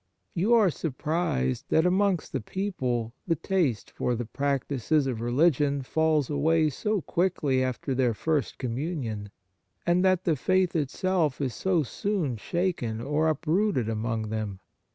You are surprised that, amongst the people, the taste for the practices of religion falls away so quickly after their first communion, and that the faith itself is so soon shaken or up rooted among them.